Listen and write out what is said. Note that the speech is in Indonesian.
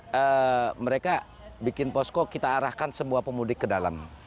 jadi mereka bikin posko kita arahkan semua pemudik ke dalam